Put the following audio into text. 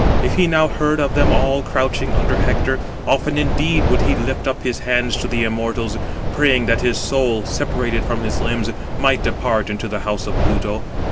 If he now heard of them all crouching down under Hector, often indeed would he uplift his hands to the immortals, [praying] that his soul, [separated] from his limbs, might depart into the house of Pluto.